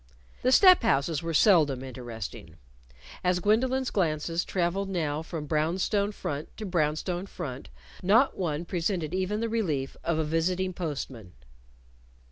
The step houses were seldom interesting. As Gwendolyn's glances traveled now from brown stone front to brown stone front, not one presented even the relief of a visiting post man.